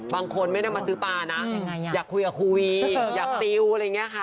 บางคนไม่ได้มาซื้อปลานะอยากคุยกับคุยอยากซิลอะไรอย่างนี้ค่ะ